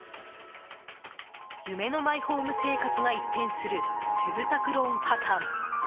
夢のマイホーム生活が一変する住宅ローン破綻。